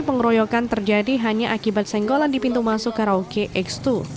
pengeroyokan terjadi hanya akibat senggolan di pintu masuk karaoke x dua